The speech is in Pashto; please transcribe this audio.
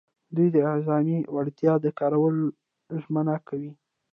دوی د اعظمي وړتیا د کارولو ژمنه کوي.